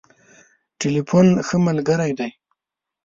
ټليفون ښه ملګری دی.